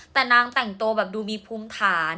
แต่นางแต่งตัวแบบดูมีภูมิฐาน